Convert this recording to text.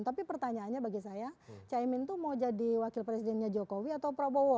tapi pertanyaannya bagi saya caimin itu mau jadi wakil presidennya jokowi atau prabowo